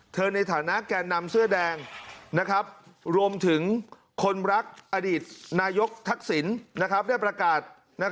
ในฐานะแก่นำเสื้อแดงรวมถึงคนรักอดีตนายกทักษิณได้ประกาศ